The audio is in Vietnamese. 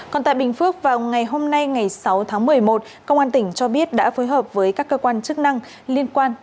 còn tại bình phước vào ngày hôm nay ngày sáu tháng một mươi một công an tỉnh cho biết đã phối hợp với các cơ quan chức năng liên quan